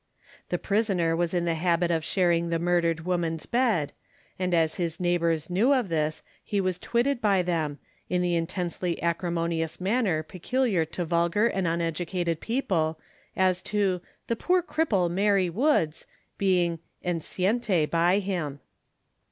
The prisoner was in the habit of sharing the murdered woman's bed, and as his neighbours knew of this he was twitted by them, in the intensely acrimonious manner peculiar to vulgar and uneducated people, as to "the poor cripple Mary Woods" being enciente by him.